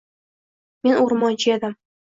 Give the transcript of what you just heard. Men o’rmonchi edim